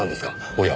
おや。